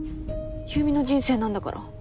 優美の人生なんだから。